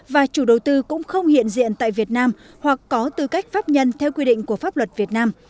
và chủ đầu tư cũng không hiện diện tại việt nam hoặc có tư cách pháp nhân theo quy định của pháp luật việt nam